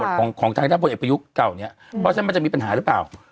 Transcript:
ของของทางด้านพลเอกประยุทธ์เก่าเนี่ยเพราะฉะนั้นมันจะมีปัญหาหรือเปล่า